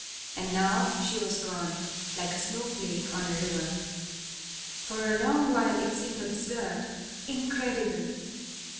And now she was gone, like a snow flake on a river. For a long while it seemed absurd, incredible.